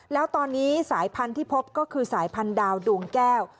แล้วตอนนี้สายพันธุ์ที่พบก็คือสายพันธดาวดวงแก้ว